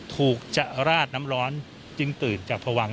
จะราดน้ำร้อนจึงตื่นจากพวัง